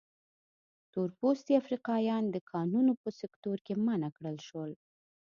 تور پوستي افریقایان د کانونو په سکتور کې منع کړل شول.